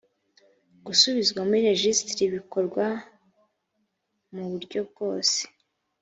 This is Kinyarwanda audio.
gusubizwa muri rejisitiri bikorwa mu buryobwose